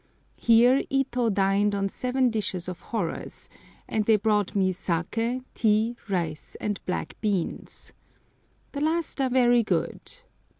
Here Ito dined on seven dishes of horrors, and they brought me saké, tea, rice, and black beans. The last are very good.